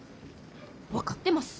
分かってます。